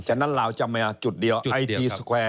ฉะนั้นลาวจำไหมอ่ะจุดเดียวไอทีสเกวร์